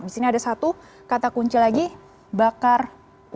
di sini ada satu kata kunci lagi bakar